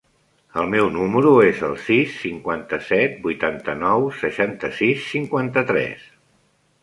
El meu número es el sis, cinquanta-set, vuitanta-nou, seixanta-sis, cinquanta-tres.